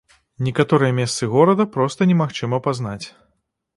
Некаторыя месцы горада проста немагчыма пазнаць.